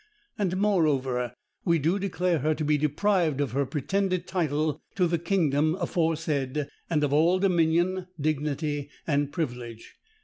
And, moreover, _we do declare her to be deprived of her pretended title to the kingdom aforesaid, and of all dominion, dignity, and privilege_.